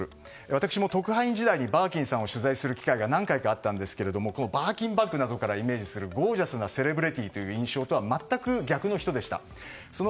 私も特派員時代にバーキンさんを取材する機会があったんですがバーキンバッグなどからイメージするゴージャスなセレブリティーという印象とは全く逆の人でした。